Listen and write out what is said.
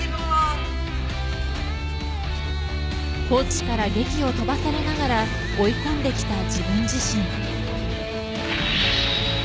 コーチからげきを飛ばされながら追い込んできた自分自身。